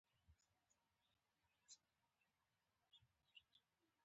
شاوخوا څلور یا پنځه دوکانونه او یوه چای خانه هلته وه.